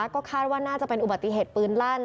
ก็คาดว่าน่าจะเป็นอุบัติเหตุปืนลั่น